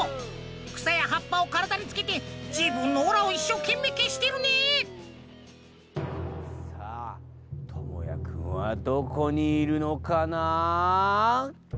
くさやはっぱをからだにつけてじぶんのオーラをいっしょうけんめいけしてるねさあともやくんはどこにいるのかな？